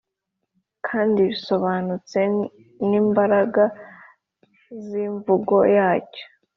kandi bisobanutse n'imbaraga z'imvugo yacyo.